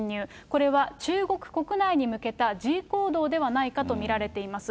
これは中国国内に向けた示威行動ではないかと見られています。